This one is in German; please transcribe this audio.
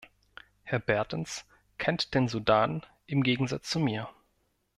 Herr Bertens kennt den Sudan, im Gegensatz zu mir.